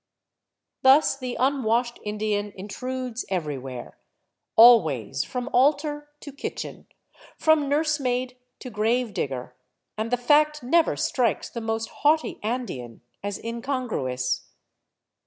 Thus the unwashed Indian intrudes everywhere, al ways, from altar to kitchen, from nursemaid to grave digger, and the fact never strikes the most haughty Andean as incongruous.